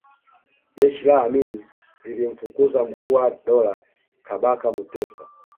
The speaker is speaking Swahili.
jeshi la amin lilimfukuza mkuu wa dola Kabaka mutesa